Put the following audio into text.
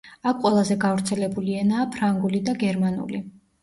აქ ყველაზე გავრცელებული ენაა ფრანგული და გერმანული.